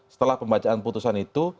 setelah pembacaan putusan itu